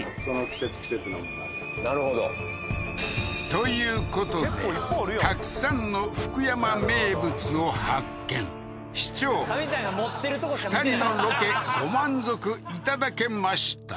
季節のものがなるほどということでたくさんの福山名物を発見市長２人のロケご満足いただけました？